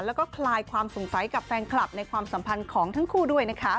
แล้วก็คลายความสงสัยกับแฟนคลับในความสัมพันธ์ของทั้งคู่ด้วยนะคะ